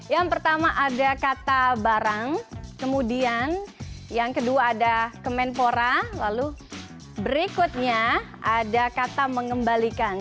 yang pertama ada kata barang kemudian yang kedua ada kemenpora lalu berikutnya ada kata mengembalikan